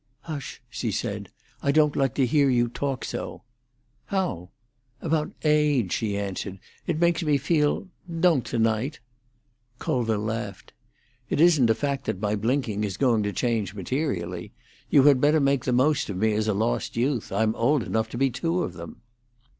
'" "Hush," she said; "I don't like to hear you talk so." "How?" "About—age!" she answered. "It makes me feel—— Don't to night!" Colville laughed. "It isn't a fact that my blinking is going to change materially. You had better make the most of me as a lost youth. I'm old enough to be two of them."